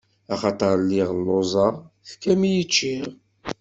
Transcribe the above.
Axaṭer lliɣ lluẓeɣ, tefkam-iyi ččiɣ.